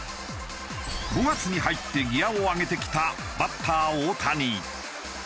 ５月に入ってギアを上げてきたバッター大谷。